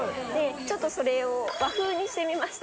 ちょっとそれを和風にしてみました。